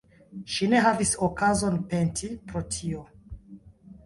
Ŝi ne havis okazon penti pro tio.